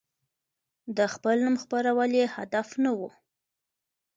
د خپل نوم خپرول يې هدف نه و.